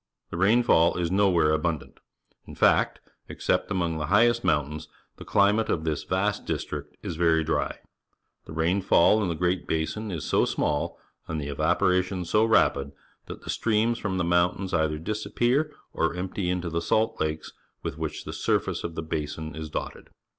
The rainfall is nowhere abundant; in fact, except among the highest mountains, the climate of this vast dis trict is verj^ dry. The rainfall in the Great Basin is so small and the evap '°"'*a oration so rapid that the streams from the mountains either disappear or empty into the salt lakes with whichthe sur face of the Basin is dotted.